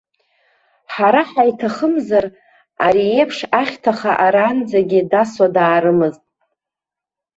Ҳара ҳаиҭахымзар, ари еиԥш ахьҭаха аранӡагьы дасуа даарымызт.